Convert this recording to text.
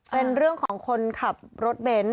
เป็นเรื่องของคนขับรถเบนท์